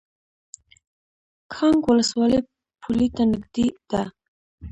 کانګ ولسوالۍ پولې ته نږدې ده؟